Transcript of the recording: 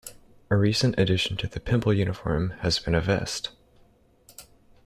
A recent addition to the Pymble uniform has been a vest.